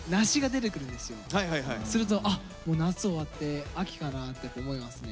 すると「あ夏終わって秋かな」って思いますね。